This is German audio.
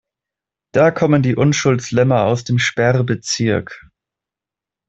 Da kommen die Unschuldslämmer aus dem Sperrbezirk.